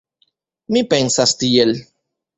Mi pensas tiel.